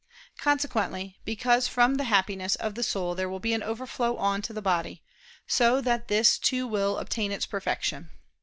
Consequently, because from the Happiness of the soul there will be an overflow on to the body, so that this too will obtain its perfection.